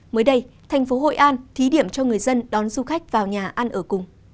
mới đây thành phố hội an thí điểm cho người dân đón du khách vào nhà ăn ở cùng